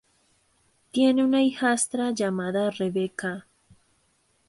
Tiene una hijastra llamada Rebecca.